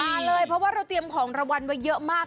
มาเลยเพราะว่าเราเตรียมของรางวัลไว้เยอะมาก